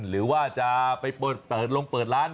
หรือว่าจะไปเปิดลงเปิดร้าน